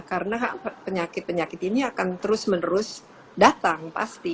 karena penyakit penyakit ini akan terus menerus datang pasti